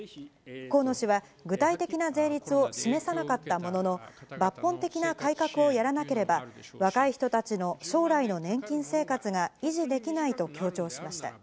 河野氏は、具体的な税率を示さなかったものの、抜本的な改革をやらなければ、若い人たちの将来の年金生活が維持できないと強調しました。